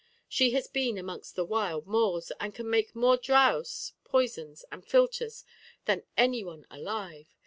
She has been amongst the wild Moors, and can make more draos, poisons, and philtres than any one alive.